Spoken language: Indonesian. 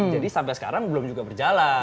jadi sampai sekarang belum juga berjalan